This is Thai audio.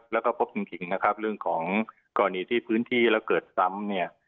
แล้วก็พบจริงนะครับเรื่องของกรณีที่พื้นที่แล้วเกิดซ้ำเนี่ย